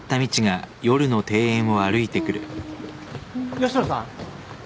吉野さん？